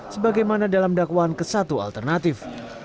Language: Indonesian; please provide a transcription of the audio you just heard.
sebagaimana dalam dakwaan ke satu alternatif